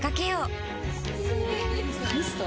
ミスト？